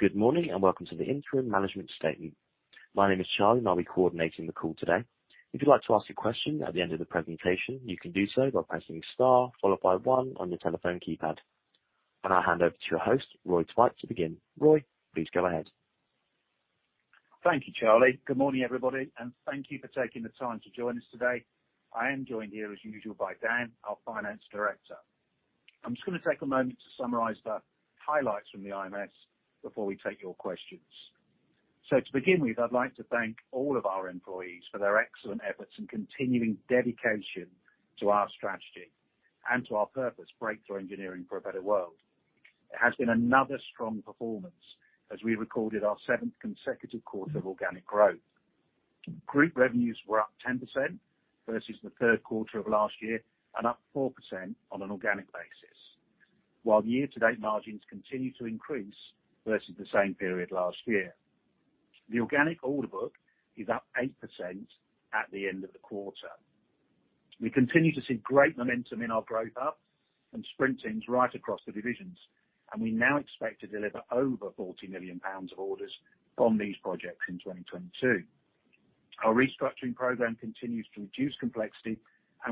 Good morning. Welcome to the interim management statement. My name is Charlie. I'll be coordinating the call today. If you'd like to ask a question at the end of the presentation, you can do so by pressing star followed by one on your telephone keypad. I'll hand over to your host, Roy Twite, to begin. Roy, please go ahead. Thank you, Charlie. Good morning, everybody. Thank you for taking the time to join us today. I am joined here, as usual, by Dan, our Group Finance Director. I'm just going to take a moment to summarize the highlights from the IMS before we take your questions. To begin with, I'd like to thank all of our employees for their excellent efforts and continuing dedication to our strategy and to our purpose, breakthrough engineering for a better world. It has been another strong performance as we recorded our seventh consecutive quarter of organic growth. Group revenues were up 10% versus the third quarter of last year, and up 4% on an organic basis. While year-to-date margins continue to increase versus the same period last year. The organic order book is up 8% at the end of the quarter. We continue to see great momentum in our Growth Hub and sprint teams right across the divisions. We now expect to deliver over 40 million pounds of orders from these projects in 2022. Our restructuring program continues to reduce complexity.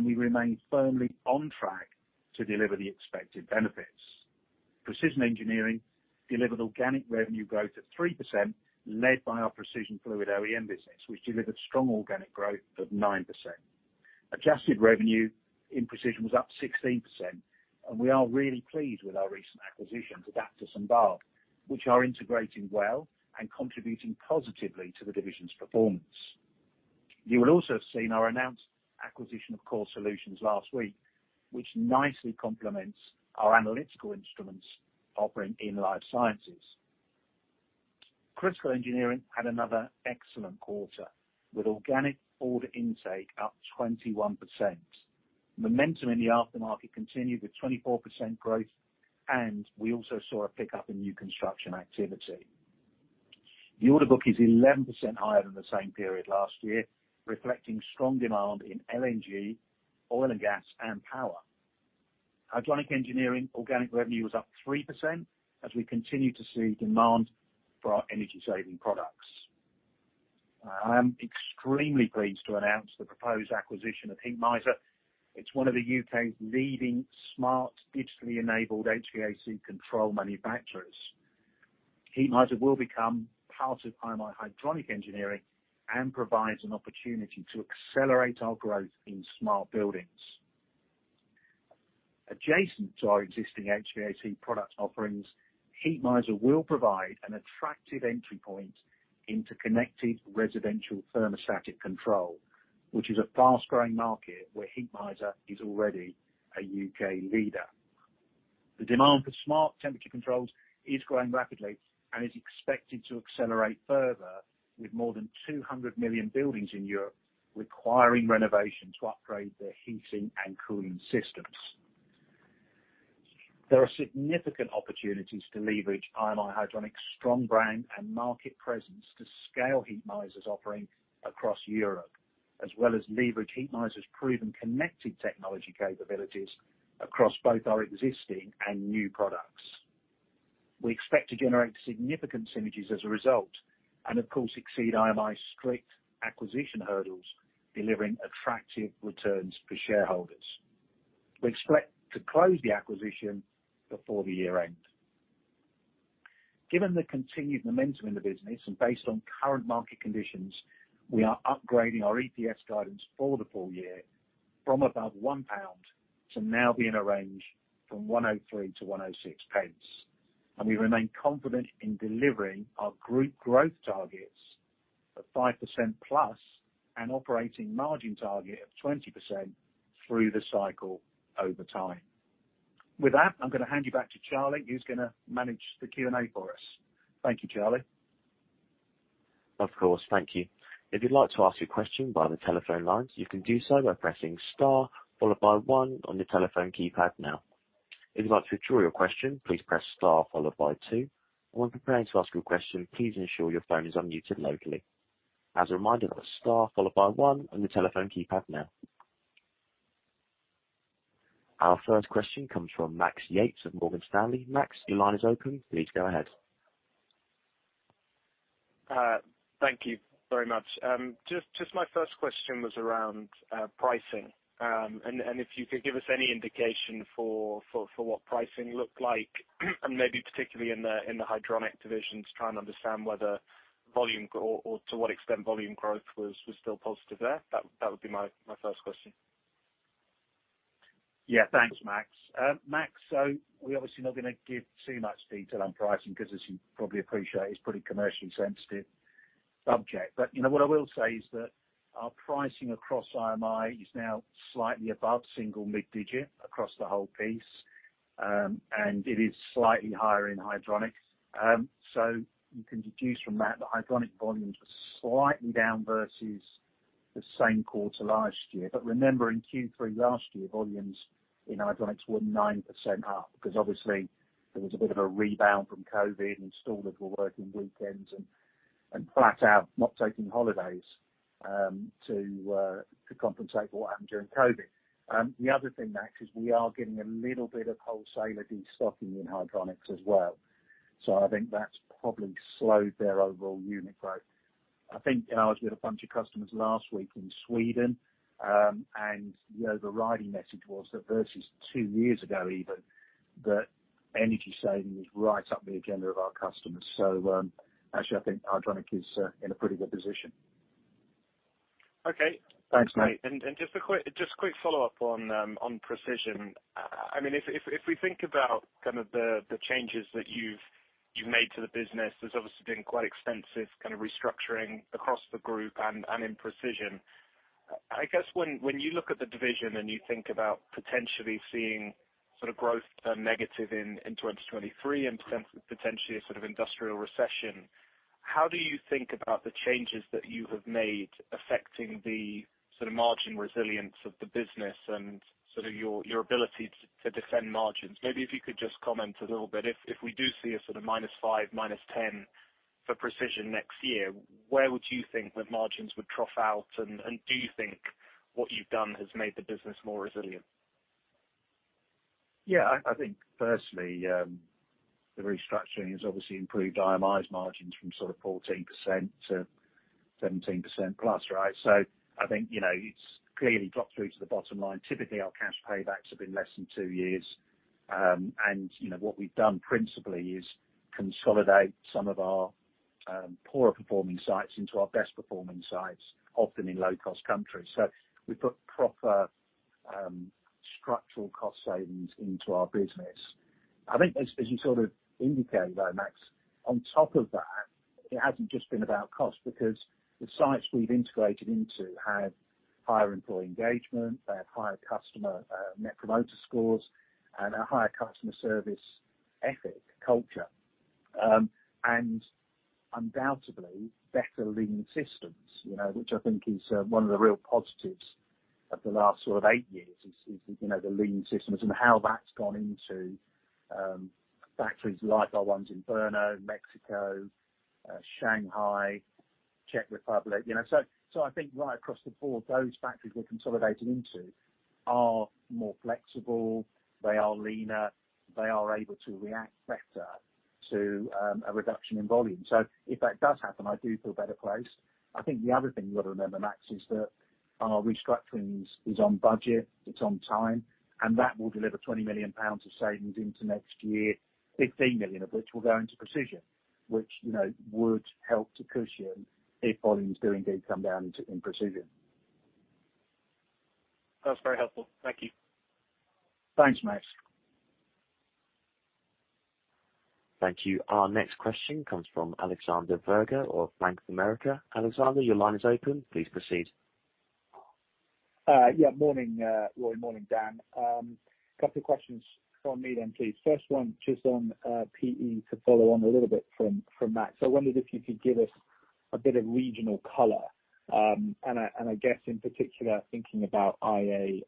We remain firmly on track to deliver the expected benefits. IMI Precision Engineering delivered organic revenue growth of 3%, led by our Precision Fluid OEM business, which delivered strong organic growth of 9%. Adjusted revenue in Precision was up 16%, and we are really pleased with our recent acquisitions, Adaptas Solutions and Bahr, which are integrating well and contributing positively to the division's performance. You will also have seen our announced acquisition of CorSolutions LLC last week, which nicely complements our analytical instruments offering in life sciences. IMI Critical Engineering had another excellent quarter with organic order intake up 21%. Momentum in the aftermarket continued with 24% growth. We also saw a pickup in new construction activity. The order book is 11% higher than the same period last year, reflecting strong demand in LNG, oil and gas, and power. IMI Hydronic Engineering organic revenue was up 3% as we continue to see demand for our energy-saving products. I am extremely pleased to announce the proposed acquisition of Heatmiser. It's one of the U.K.'s leading smart, digitally enabled HVAC control manufacturers. Heatmiser will become part of IMI Hydronic Engineering and provides an opportunity to accelerate our growth in smart buildings. Adjacent to our existing HVAC product offerings, Heatmiser will provide an attractive entry point into connected residential thermostatic control, which is a fast-growing market where Heatmiser is already a U.K. leader. The demand for smart temperature controls is growing rapidly and is expected to accelerate further with more than 200 million buildings in Europe requiring renovation to upgrade their heating and cooling systems. There are significant opportunities to leverage IMI Hydronic's strong brand and market presence to scale Heatmiser's offering across Europe, as well as leverage Heatmiser's proven connected technology capabilities across both our existing and new products. We expect to generate significant synergies as a result, and of course, exceed IMI's strict acquisition hurdles, delivering attractive returns for shareholders. We expect to close the acquisition before the year-end. Given the continued momentum in the business and based on current market conditions, we are upgrading our EPS guidance for the full year from above 1 pound to now be in a range from 1.03-1.06. We remain confident in delivering our group growth targets of 5%+ and operating margin target of 20% through the cycle over time. With that, I'm going to hand you back to Charlie, who's going to manage the Q&A for us. Thank you, Charlie. Of course. Thank you. If you'd like to ask a question by the telephone lines, you can do so by pressing Star followed by one on your telephone keypad now. If you'd like to withdraw your question, please press Star followed by two. When preparing to ask your question, please ensure your phone is unmuted locally. As a reminder, that's Star followed by one on the telephone keypad now. Our first question comes from Max Yates of Morgan Stanley. Max, your line is open. Please go ahead. Thank you very much. Just my first question was around pricing. If you could give us any indication for what pricing looked like, and maybe particularly in the Hydronic divisions, trying to understand whether volume or to what extent volume growth was still positive there. That would be my first question. Thanks, Max. Max, we're obviously not going to give too much detail on pricing because as you probably appreciate, it's pretty commercially sensitive subject. What I will say is that our pricing across IMI is now slightly above single mid digit across the whole piece, and it is slightly higher in hydronics. You can deduce from that, the hydronic volumes are slightly down versus the same quarter last year. Remember in Q3 last year, volumes in hydronics were 9% up because obviously there was a bit of a rebound from COVID and installers were working weekends and flat out not taking holidays to compensate for what happened during COVID. The other thing, Max, is we are getting a little bit of wholesaler destocking in Hydronics as well. I think that's probably slowed their overall unit growth. I think I was with a bunch of customers last week in Sweden, and the overriding message was that versus two years ago even, that energy saving is right up the agenda of our customers. Actually, I think Hydronic is in a pretty good position. Okay. Thanks, Max. Just a quick follow-up on Precision. If we think about the changes that you've made to the business, there's obviously been quite extensive restructuring across the group and in Precision. I guess when you look at the division and you think about potentially seeing growth turn negative in 2023 and potentially a industrial recession, how do you think about the changes that you have made affecting the margin resilience of the business and your ability to defend margins? Maybe if you could just comment a little bit, if we do see a sort of -5%, -10% for Precision next year, where would you think that margins would trough out? Do you think what you've done has made the business more resilient? I think firstly, the restructuring has obviously improved IMI's margins from 14%-17% plus. I think, it's clearly dropped through to the bottom line. Typically, our cash paybacks have been less than two years. What we've done principally is consolidate some of our poorer performing sites into our best performing sites, often in low-cost countries. We put proper structural cost savings into our business. I think as you indicated though, Max, on top of that, it hasn't just been about cost because the sites we've integrated into have higher employee engagement, they have higher customer Net Promoter scores and a higher customer service ethic culture. Undoubtedly, better lean systems, which I think is one of the real positives of the last sort of eight years, is the lean systems and how that's gone into factories like our ones in Brno, Mexico, Shanghai, Czech Republic. I think right across the board, those factories we're consolidating into are more flexible, they are leaner, they are able to react better to a reduction in volume. If that does happen, I do feel better placed. I think the other thing you got to remember, Max, is that our restructuring is on budget, it's on time, and that will deliver 20 million pounds of savings into next year, 15 million of which will go into Precision, which would help to cushion if volumes do indeed come down in Precision. That's very helpful. Thank you. Thanks, Max. Thank you. Our next question comes from Alexander Virgo of Bank of America. Alexander, your line is open. Please proceed. Morning, Roy. Morning, Dan. Couple of questions from me then, please. First one, just on PE to follow on a little bit from Max. I wondered if you could give us a bit of regional color. I guess in particular, thinking about IA,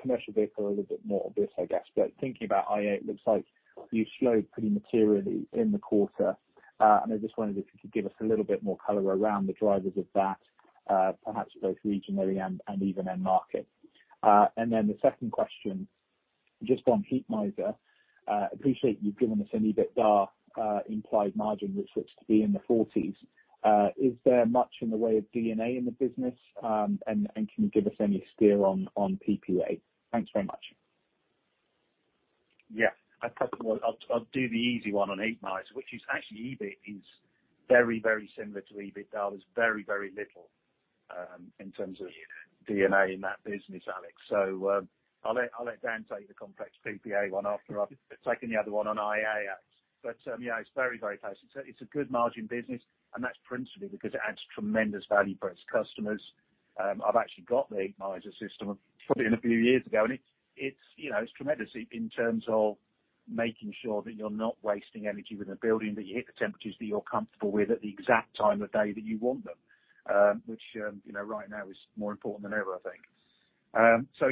commercial vehicle a little bit more obvious, I guess. Thinking about IA, it looks like you slowed pretty materially in the quarter. I just wondered if you could give us a little bit more color around the drivers of that, perhaps both regionally and even end market. The second question, just on Heatmiser. Appreciate you've given us an EBITDA implied margin, which looks to be in the 40s. Is there much in the way of D&A in the business? Can you give us any steer on PPA? Thanks very much. I'll do the easy one on Heatmiser, which is actually EBIT is very, very similar to EBITDA. There's very, very little in terms of D&A in that business, Alex. I'll let Dan take the complex PPA one after I've taken the other one on IA. Yeah, it's very, very close. It's a good margin business, and that's principally because it adds tremendous value for its customers. I've actually got the Heatmiser system, put it in a few years ago, and it's tremendous in terms of making sure that you're not wasting energy with a building, that you hit the temperatures that you're comfortable with at the exact time of day that you want them, which right now is more important than ever, I think.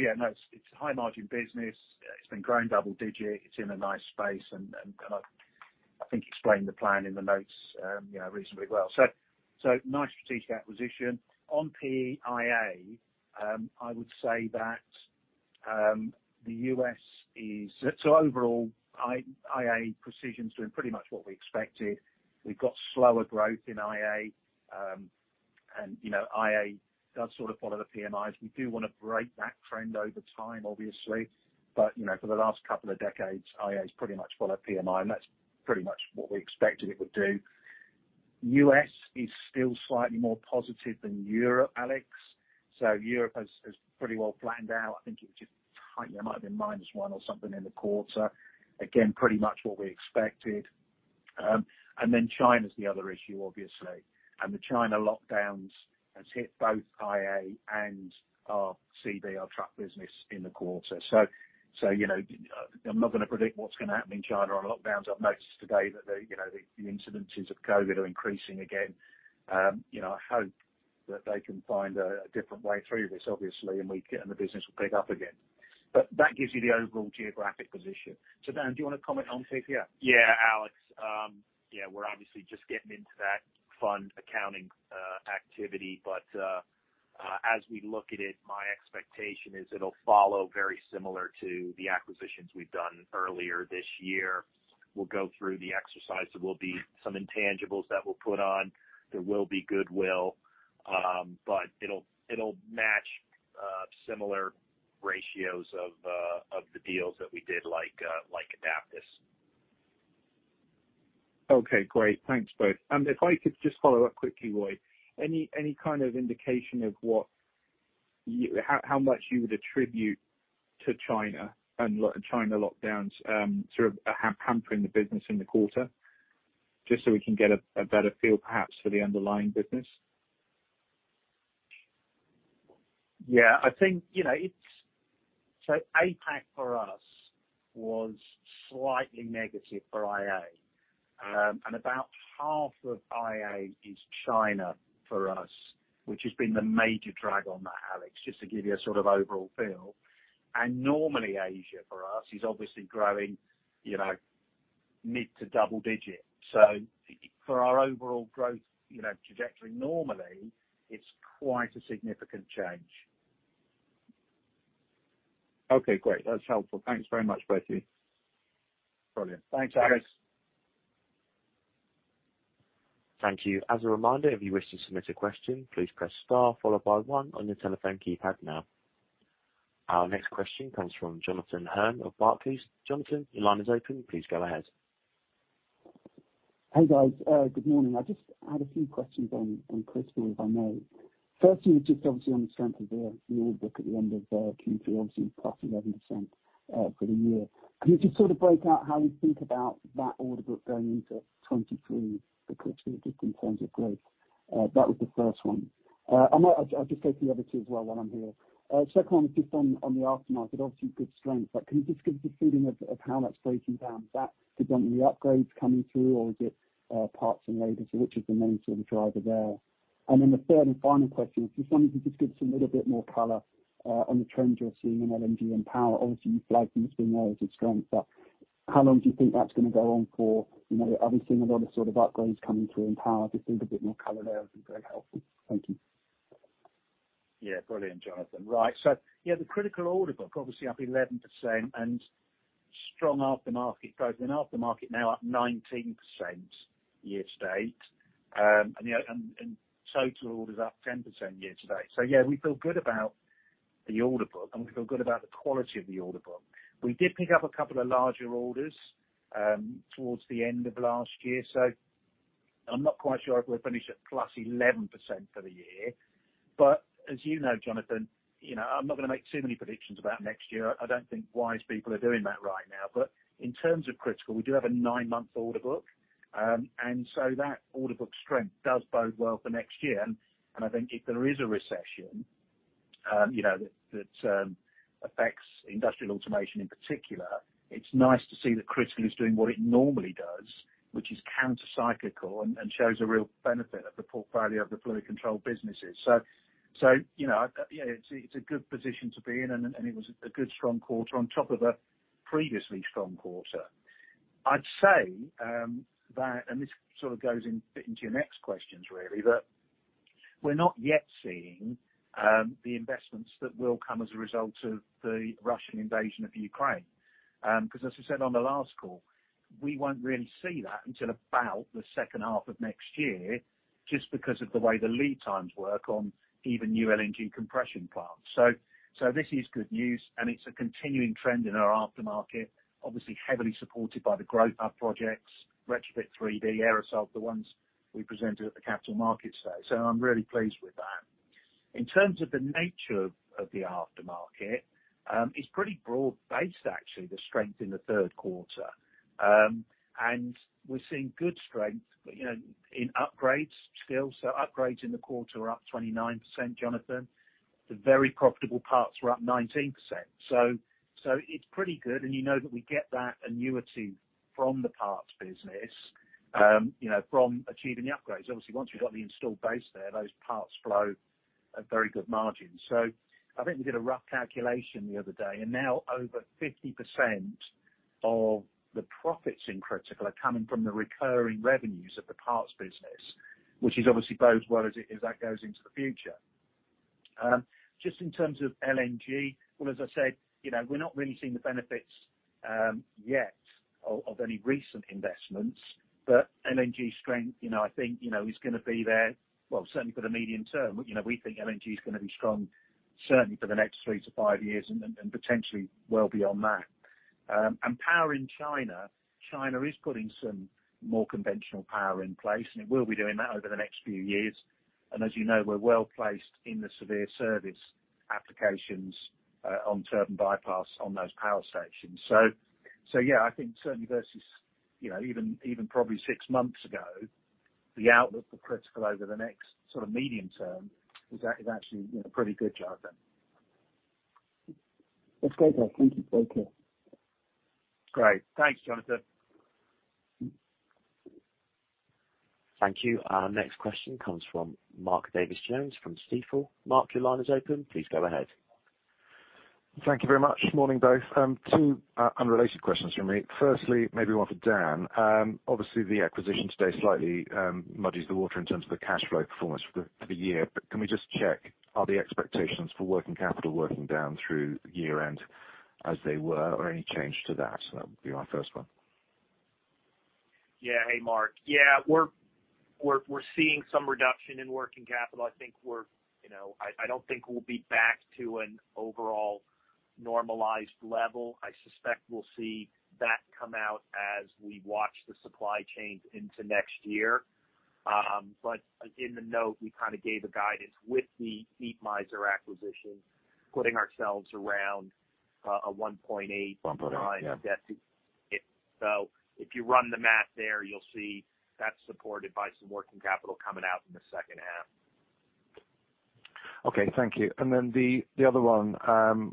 Yeah, no, it's a high margin business. It's been growing double digit. It's in a nice space, I think explained the plan in the notes reasonably well. Nice strategic acquisition. On PE IA, I would say that the U.S. is-- Overall, IA Precision is doing pretty much what we expected. We've got slower growth in IA. IA does sort of follow the PMIs. We do want to break that trend over time, obviously. For the last couple of decades, IA has pretty much followed PMI, and that's pretty much what we expected it would do. U.S. is still slightly more positive than Europe, Alex. Europe has pretty well flattened out. I think it might have been minus one or something in the quarter. Again, pretty much what we expected. China is the other issue, obviously. The China lockdowns has hit both IA and our CB, our truck business in the quarter. I'm not going to predict what's going to happen in China on lockdowns. I've noticed today that the incidences of COVID are increasing again. I hope that they can find a different way through this, obviously, and the business will pick up again. That gives you the overall geographic position. Dan, do you want to comment on figures? Yeah, Alex. We're obviously just getting into that fund accounting activity. As we look at it, my expectation is it'll follow very similar to the acquisitions we've done earlier this year. We'll go through the exercise. There will be some intangibles that we'll put on. There will be goodwill. It'll match similar ratios of the deals that we did, like Adaptas. Okay, great. Thanks, both. If I could just follow up quickly, Roy. Any kind of indication of how much you would attribute to China and China lockdowns sort of hampering the business in the quarter? Just so we can get a better feel perhaps for the underlying business. APAC for us was slightly negative for IA. About half of IA is China for us, which has been the major drag on that, Alex, just to give you a sort of overall feel. Normally Asia for us is obviously growing mid to double digit. For our overall growth trajectory, normally it's quite a significant change. Great. That's helpful. Thanks very much, both of you. Brilliant. Thanks, Alex. Thanks. Thank you. As a reminder, if you wish to submit a question, please press star followed by one on your telephone keypad now. Our next question comes from Jonathan Hurn of Barclays. Jonathan, your line is open. Please go ahead. Hey, guys. Good morning. I just had a few questions on Critical, if I may. Firstly, just obviously on the strength of the order book at the end of Q3, obviously +11% for the year. Can you just sort of break out how you think about that order book going into 2023 because of the different terms of growth? That was the first one. I'll just take the other two as well while I'm here. Second one was just on the aftermarket, obviously good strength, but can you just give us a feeling of how that's breaking down? Is that the upgrades coming through or is it parts and labor? Which is the main sort of driver there? The third and final question, I just wonder if you could just give us a little bit more color on the trends you're seeing in LNG and power. Obviously, you flagged it's been there as a strength, but how long do you think that's going to go on for? I've been seeing a lot of sort of upgrades coming through in power. Just need a bit more color there. That'd be very helpful. Thank you. Brilliant, Jonathan. The Critical order book, obviously up 11% and strong aftermarket growth. Aftermarket now up 19% year to date. Total orders up 10% year to date. We feel good about the order book, and we feel good about the quality of the order book. We did pick up a couple of larger orders towards the end of last year, so I'm not quite sure if we'll finish at +11% for the year. As you know, Jonathan, I'm not going to make too many predictions about next year. I don't think wise people are doing that right now. In terms of Critical, we do have a 9-month order book, and so that order book strength does bode well for next year. I think if there is a recession that affects Industrial Automation in particular, it's nice to see that Critical is doing what it normally does, which is counter-cyclical and shows a real benefit of the portfolio of the fluid control businesses. It's a good position to be in, and it was a good strong quarter on top of a previously strong quarter. I'd say that, and this sort of goes a bit into your next questions really, that we're not yet seeing the investments that will come as a result of the Russian invasion of Ukraine. As I said on the last call, we won't really see that until about the second half of next year, just because of the way the lead times work on even new LNG compression plants. This is good news, it's a continuing trend in our aftermarket, obviously heavily supported by the growth of projects, Retrofit3D, Aerosol, the ones we presented at the Capital Markets Day. I'm really pleased with that. In terms of the nature of the aftermarket, it's pretty broad-based actually, the strength in the third quarter. We're seeing good strength in upgrades still. Upgrades in the quarter are up 29%, Jonathan. The very profitable parts were up 19%. It's pretty good. You know that we get that annuity from the parts business from achieving the upgrades. Obviously, once we've got the installed base there, those parts flow at very good margins. I think we did a rough calculation the other day, now over 50% of the profits in Critical are coming from the recurring revenues of the parts business, which obviously bodes well as that goes into the future. Just in terms of LNG, well, as I said, we're not really seeing the benefits yet of any recent investments. LNG strength, I think, is going to be there, well, certainly for the medium term. We think LNG is going to be strong certainly for the next three to five years and potentially well beyond that. Power in China is putting some more conventional power in place, it will be doing that over the next few years. As you know, we're well-placed in the severe service applications on turbine bypass on those power stations. Yeah, I think certainly versus even probably six months ago, the outlook for Critical over the next sort of medium term is actually pretty good, Jonathan. That's great. Thank you. Take care. Great. Thanks, Jonathan. Thank you. Our next question comes from Mark Davies Jones from Stifel. Mark, your line is open. Please go ahead. Thank you very much. Morning, both. Two unrelated questions from me. Maybe one for Dan. Obviously, the acquisition today slightly muddies the water in terms of the cash flow performance for the year. Can we just check, are the expectations for working capital working down through year-end as they were, or any change to that? That would be my first one. Yeah. Hey, Mark. Yeah, we're seeing some reduction in working capital. I don't think we'll be back to an overall normalized level. I suspect we'll see that come out as we watch the supply chains into next year. In the note, we gave the guidance with the Heatmiser acquisition, putting ourselves around a 1.8- 1.8, yeah If you run the math there, you'll see that's supported by some working capital coming out in the second half. Okay, thank you. The other one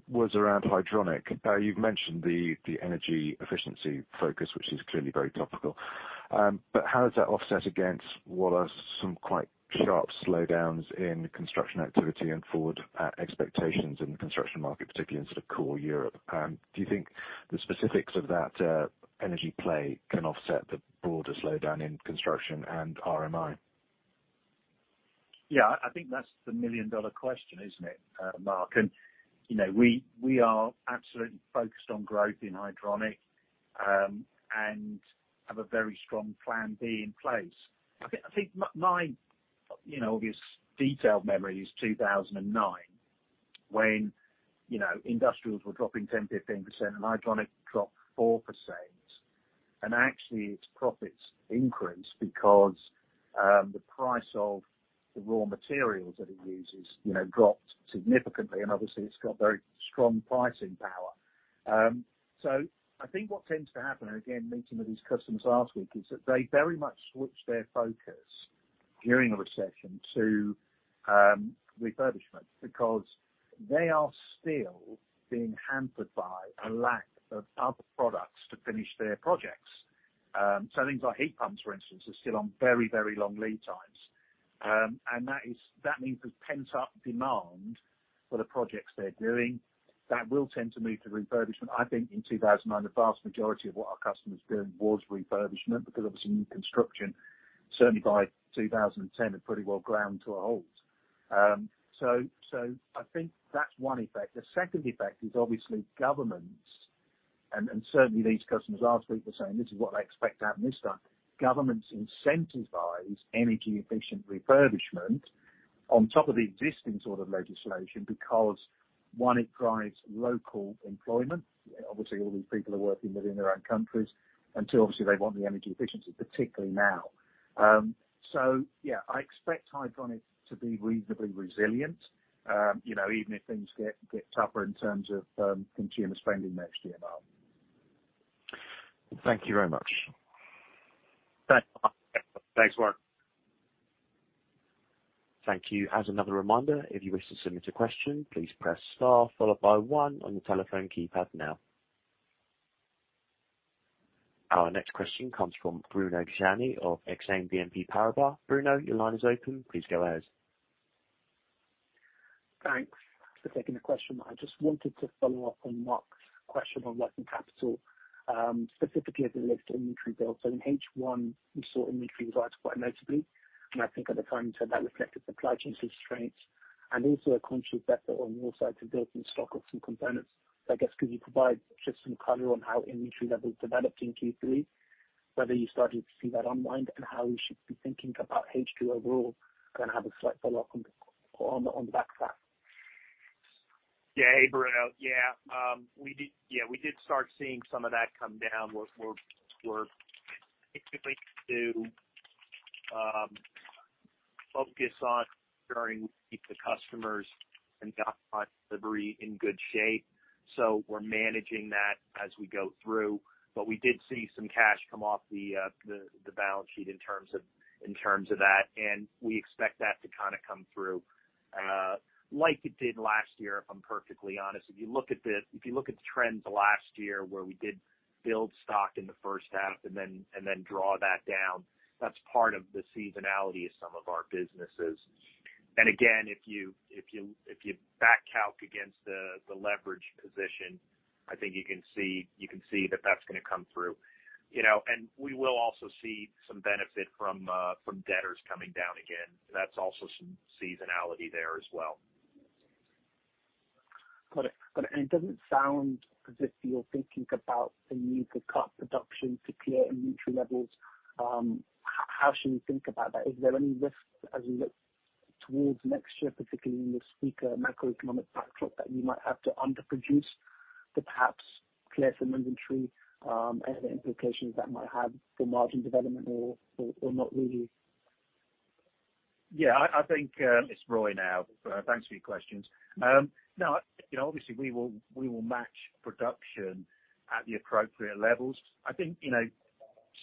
was around Hydronic. You've mentioned the energy efficiency focus, which is clearly very topical. How does that offset against what are some quite sharp slowdowns in construction activity and forward expectations in the construction market, particularly in core Europe? Do you think the specifics of that energy play can offset the broader slowdown in construction and RMI? Yeah, I think that's the million-dollar question, isn't it, Mark? We are absolutely focused on growth in Hydronic, and have a very strong plan B in place. I think my obvious detailed memory is 2009, when industrials were dropping 10%, 15%, and Hydronic dropped 4%. Actually, its profits increased because the price of the raw materials that it uses dropped significantly, and obviously it's got very strong pricing power. I think what tends to happen, again, meeting with these customers last week, is that they very much switch their focus during a recession to refurbishment because they are still being hampered by a lack of other products to finish their projects. Things like heat pumps, for instance, are still on very long lead times. That means there's pent-up demand for the projects they're doing that will tend to move to refurbishment. I think in 2009, the vast majority of what our customers were doing was refurbishment, because obviously new construction, certainly by 2010, had pretty well ground to a halt. I think that's one effect. The second effect is obviously governments, and certainly these customers last week were saying this is what they expect to happen this time. Governments incentivize energy-efficient refurbishment on top of the existing legislation because, one, it drives local employment. Obviously, all these people are working within their own countries. Two, obviously they want the energy efficiency, particularly now. Yeah, I expect Hydronic to be reasonably resilient, even if things get tougher in terms of consumer spending next year, Mark. Thank you very much. Thanks, Mark. Thank you. As another reminder, if you wish to submit a question, please press star followed by 1 on your telephone keypad now. Our next question comes from Bruno Gjani of Exane BNP Paribas. Bruno, your line is open. Please go ahead. Thanks for taking the question. I just wanted to follow up on Mark's question on working capital, specifically as it relates to inventory build. In H1, we saw inventory rise quite notably, and I think at the time you said that reflected supply chain constraints and also a conscious effort on your side to build some stock of some components. Could you provide just some color on how inventory levels developed in Q3, whether you started to see that unwind, and how we should be thinking about H2 overall? I have a slight follow-up on the back of that. Hey, Bruno. We did start seeing some of that come down. We're particularly to focus on ensuring we keep the customers and delivery in good shape. We're managing that as we go through. We did see some cash come off the balance sheet in terms of that, and we expect that to kind of come through like it did last year, if I'm perfectly honest. If you look at the trends last year where we did build stock in the first half and then draw that down, that's part of the seasonality of some of our businesses. Again, if you back calc against the leverage position, I think you can see that that's going to come through. We will also see some benefit from debtors coming down again. That's also some seasonality there as well. Got it. It doesn't sound as if you're thinking about the need to cut production to clear inventory levels. How should we think about that? Is there any risk as we look towards next year, particularly in this weaker macroeconomic backdrop, that you might have to underproduce to perhaps clear some inventory, and the implications that might have for margin development or not really? It's Roy now. Thanks for your questions. Obviously we will match production at the appropriate levels. I think,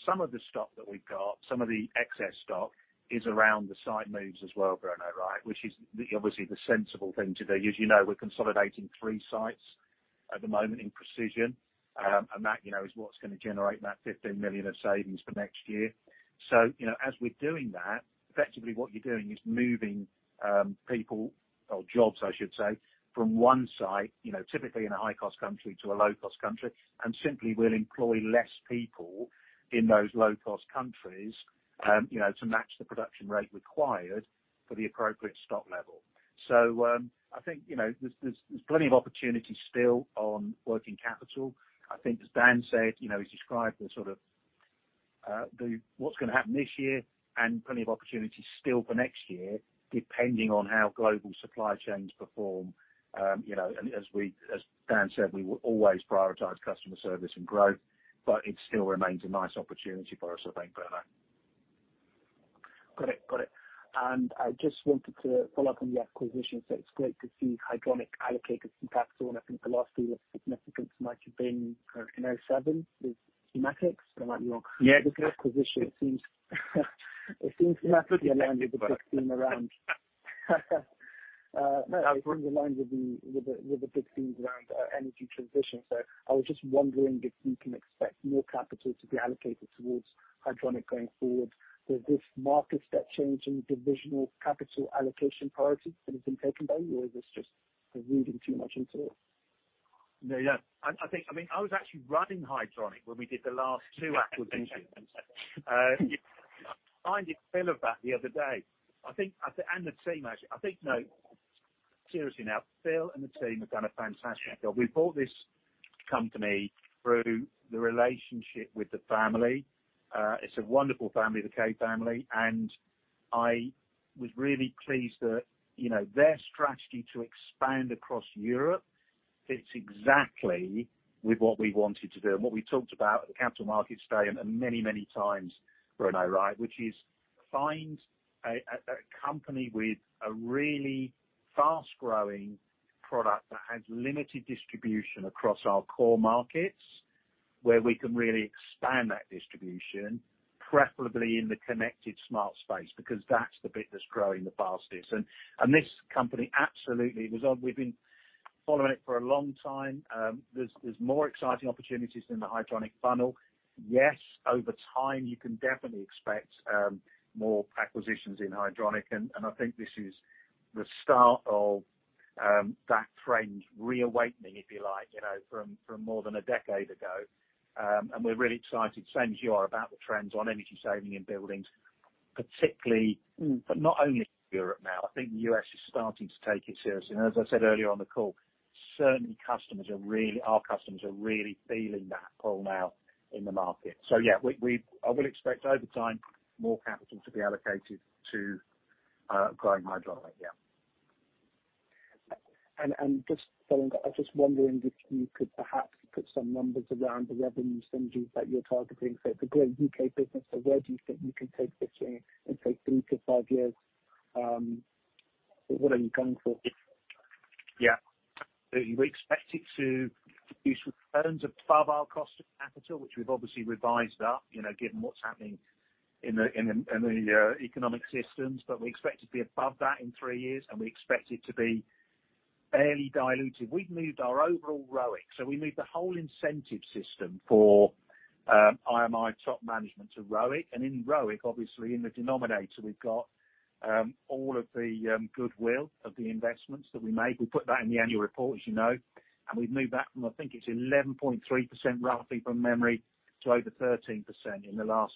some of the stock that we've got, some of the excess stock is around the site moves as well, Bruno, right? Which is obviously the sensible thing to do. As you know, we're consolidating three sites at the moment in IMI Precision Engineering, and that is what's going to generate that 15 million of savings for next year. As we're doing that, effectively what you're doing is moving people or jobs, I should say, from one site, typically in a high-cost country to a low-cost country, and simply we'll employ less people in those low-cost countries to match the production rate required for the appropriate stock level. I think there's plenty of opportunities still on working capital. I think as Dan said, he described what's going to happen this year and plenty of opportunities still for next year, depending on how global supply chains perform. As Dan said, we will always prioritize customer service and growth, but it still remains a nice opportunity for us, I think, Bruno. Got it. I just wanted to follow up on the acquisition. It's great to see Hydronic allocate good capital, and I think the last deal of significance might have been in 2007 with TA-matics. Am I wrong? Yeah. This acquisition, it seems to be aligned. It's good to be back. with the big theme around, it runs in line with the big themes around energy transition. I was just wondering if we can expect more capital to be allocated towards Hydronic going forward. Does this mark a step change in divisional capital allocation priorities that has been taken by you, or is this just reading too much into it? No. I think, I was actually running Hydronic when we did the last two acquisitions. I reminded Phil of that the other day. The team, actually. I think, no, seriously now, Phil and the team have done a fantastic job. We bought this company through the relationship with the family. It's a wonderful family, the Kay family, and I was really pleased that their strategy to expand across Europe fits exactly with what we wanted to do and what we talked about at the Capital Markets Day and many times, Bruno, which is find a company with a really fast-growing product that has limited distribution across our core markets, where we can really expand that distribution, preferably in the connected smart space, because that's the bit that's growing the fastest. This company absolutely. We've been following it for a long time. There's more exciting opportunities in the Hydronic funnel. Yes, over time, you can definitely expect more acquisitions in Hydronic, and I think this is the start of that trend reawakening, if you like, from more than a decade ago. We're really excited, same as you are, about the trends on energy saving in buildings, particularly, but not only Europe now. I think the U.S. is starting to take it seriously. As I said earlier on the call, certainly our customers are really feeling that pull now in the market. Yeah, I would expect over time, more capital to be allocated to growing Hydronic. Yeah. Just following up, I was just wondering if you could perhaps put some numbers around the revenue synergies that you're targeting. It's a great U.K. business. Where do you think you can take this in say three to five years? What are you going for? Yeah. We expect it to produce returns above our cost of capital, which we've obviously revised up, given what's happening in the economic systems. We expect it to be above that in three years, and we expect it to be barely dilutive. We've moved our overall ROIC. We moved the whole incentive system for IMI top management to ROIC. In ROIC, obviously in the denominator, we've got all of the goodwill of the investments that we made. We put that in the annual report, as you know. We've moved that from, I think it's 11.3%, roughly from memory, to over 13% in the last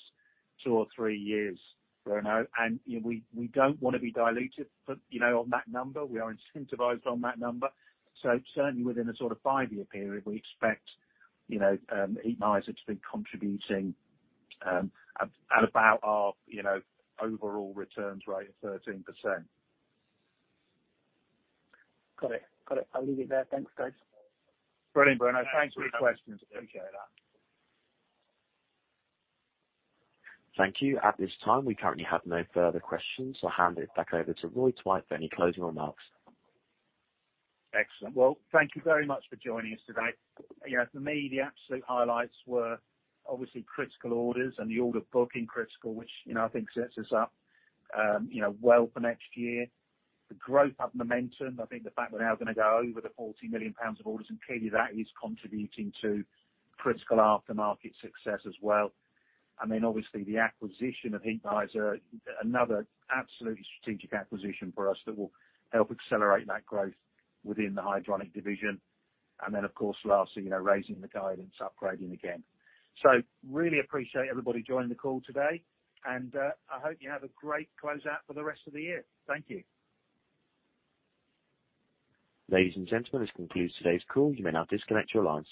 two or three years, Bruno. We don't want to be dilutive on that number. We are incentivized on that number. Certainly within a five-year period, we expect Heatmiser to be contributing at about our overall returns rate of 13%. Got it. I'll leave it there. Thanks, guys. Brilliant, Bruno. Thanks for your questions. Appreciate that. Thank you. At this time, we currently have no further questions. I'll hand it back over to Roy Twite for any closing remarks. Excellent. Well, thank you very much for joining us today. For me, the absolute highlights were obviously critical orders and the order book in critical, which I think sets us up well for next year. The growth of momentum, I think the fact we're now going to go over the GBP 40 million of orders, clearly that is contributing to critical aftermarket success as well. Obviously the acquisition of Heatmiser, another absolutely strategic acquisition for us that will help accelerate that growth within the Hydronic division. Of course, lastly, raising the guidance, upgrading again. Really appreciate everybody joining the call today, and I hope you have a great closeout for the rest of the year. Thank you. Ladies and gentlemen, this concludes today's call. You may now disconnect your lines.